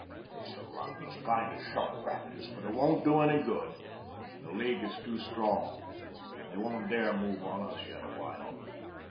It's the rottenest kind of sharp practice, but it won't do any good. The League is too strong. They won't dare move on us yet awhile.